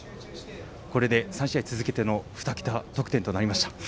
これで３試合続けての２桁得点となりました。